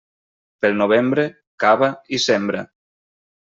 Pel novembre, cava i sembra.